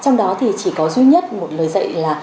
trong đó thì chỉ có duy nhất một lời dạy là